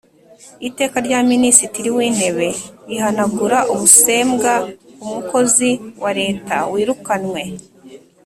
Iteka rya Minisitiri w’Intebe rihanagura ubusembwa ku mukozi wa Leta wirukanywe